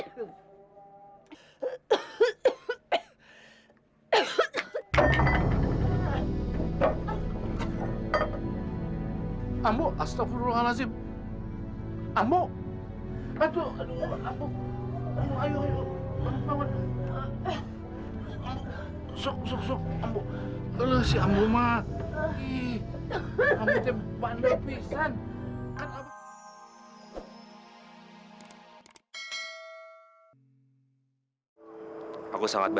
sampai jumpa di video selanjutnya